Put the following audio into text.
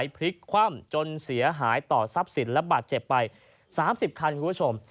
พลิกคว่ำจนเสียหายต่อทรัพย์สินและบาดเจ็บไป๓๐คันคุณผู้ชม